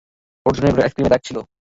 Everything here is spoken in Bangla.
অর্জুনের ঘরে আইসক্রিমের দাগ ছিল।